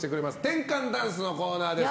転換ダンスのコーナーです。